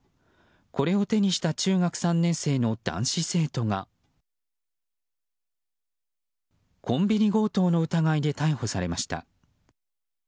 これを手にした中学３年生の男子生徒がコンビニ強盗の疑いで逮捕されました。